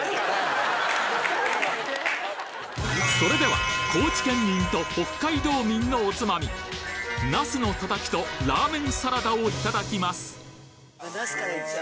それでは高知県民と北海道民のおつまみなすのたたきとラーメンサラダをいただきますなすからいっちゃう。